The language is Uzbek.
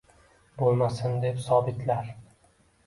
Bo’lmasin der sobitlar.